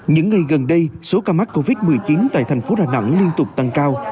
những ngày gần đây số ca mắc covid một mươi chín tại thành phố đà nẵng liên tục tăng cao